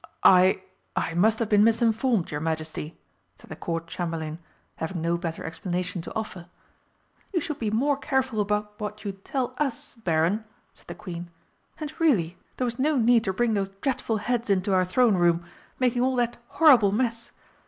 "I I must have been misinformed, your Majesty," said the Court Chamberlain, having no better explanation to offer. "You should be more careful about what you tell Us, Baron," said the Queen. "And, really, there was no need to bring those dreadful heads into our Throne Room, making all that horrible mess!